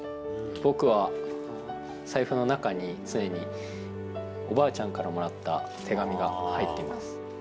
僕は財布の中に常におばあちゃんからもらった手紙が入ってます。